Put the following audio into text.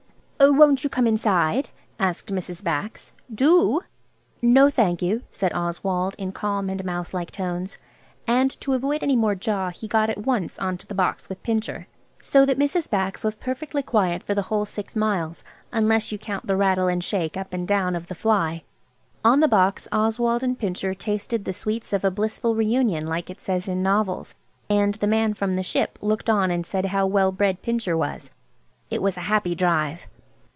"Oh, won't you come inside?" asked Mrs. Bax. "Do!" "No, thank you," said Oswald in calm and mouse like tones; and to avoid any more jaw he got at once on to the box with Pincher. So that Mrs. Bax was perfectly quiet for the whole six miles–unless you count the rattle and shake up and down of the fly. On the box Oswald and Pincher "tasted the sweets of a blissful re union," like it says in novels. And the man from the "Ship" looked on and said how well bred Pincher was. It was a happy drive.